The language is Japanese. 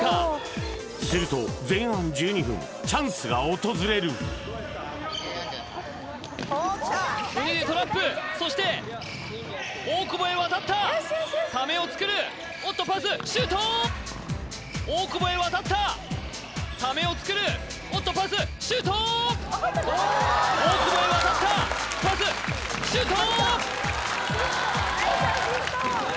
これははずれたするとトラップそして大久保へ渡ったタメを作るおっとパスシュート大久保へ渡ったタメを作るおっとパスシュート大久保へ渡ったパスシュート